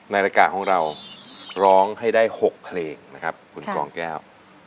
รายการของเราร้องให้ได้๖เพลงนะครับคุณกองแก้ว